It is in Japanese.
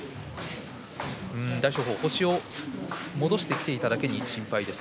大翔鵬は星を戻してきただけに心配です。